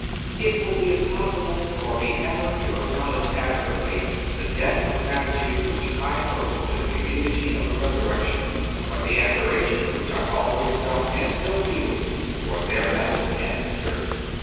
It will be impossible for me ever to acknowl edge adequately the debt of gratitude which I owe to the Community of the Resurrection, or the ad miration which I always felt, and still feel, toward their method and spirit.